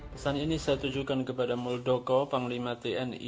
pesan ini saya tunjukkan kepada muldoko panglima tni